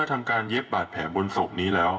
ทำการเย็บบาดแผลบนศพนี้แล้ว